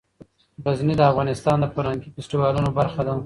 غزني د افغانستان د فرهنګي فستیوالونو برخه ده.